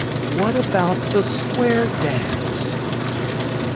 "What about the square dance?"